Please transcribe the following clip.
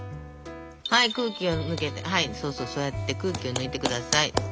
はい空気をそうそうそうやって空気を抜いてください。